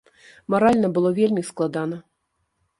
Маральна было вельмі складана.